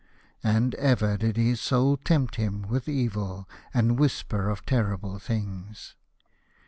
And ever did his Soul tempt him with evil, and whisper of terrible things.